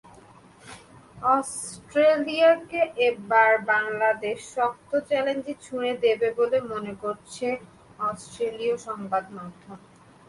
অস্ট্রেলিয়াকে এবার বাংলাদেশ শক্ত চ্যালেঞ্জই ছুড়ে দেবে বলে মনে করছে অস্ট্রেলীয় সংবাদমাধ্যম।